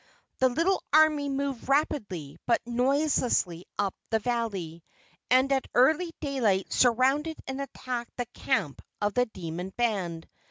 The little army moved rapidly but noiselessly up the valley, and at early daylight surrounded and attacked the camp of the demon band.